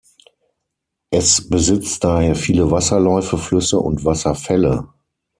Es besitzt daher viele Wasserläufe, Flüsse und Wasserfälle.